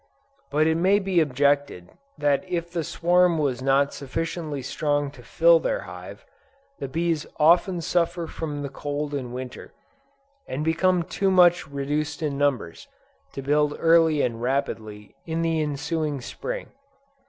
But it may be objected that if the swarm was not sufficiently strong to fill their hive, the bees often suffer from the cold in Winter, and become too much reduced in numbers, to build early and rapidly in the ensuing Spring.